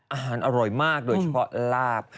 อาหารอร่อยมากโดยเฉพาะลาบ